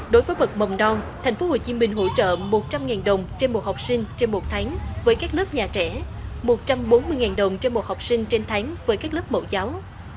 đối với bậc mầm non tp hcm hỗ trợ một trăm linh đồng trên một học sinh trên một tháng với các lớp nhà trẻ một trăm bốn mươi đồng trên một học sinh trên tháng với các lớp mẫu giáo